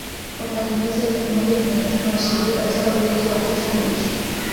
wafanyikazi elfu moja mia tano walishiriki katika ujenzi wa titanic